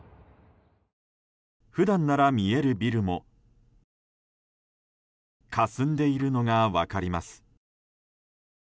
普段なら見えるビルもかすんでいるのが分かります。